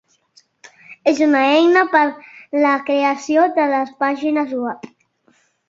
És una eina per a la creació de pàgines web.